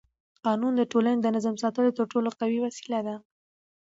قانون د ټولنې د نظم ساتلو تر ټولو قوي وسیله ده